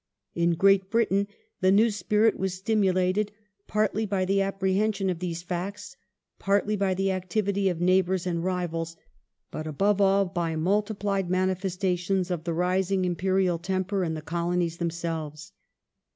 In Great Britain the new spirit was stimulated, partly by the apprehension of these facts, partly by the activity of neighbours and rivals, but, above all, by multiplied manifestations of the rising Imperial temper in the Colonies themselves.